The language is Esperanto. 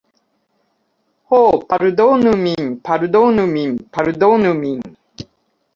Ho, pardonu min. Pardonu min. Pardonu min.